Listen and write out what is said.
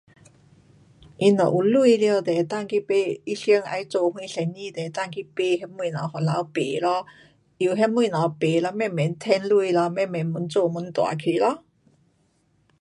那若是有钱了就能够去买他想要做什生意就能够去买那东西回来卖咯。由那东西买了慢慢赚钱咯，越做越大去咯。